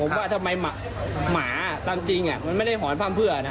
ผมว่าทำไมหมาตามจริงมันไม่ได้หอนพร่ำเพื่อนะ